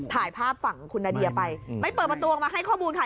ถ่ายภาพฝั่งคุณนาเดียไปไม่เปิดประตูออกมาให้ข้อมูลค่ะ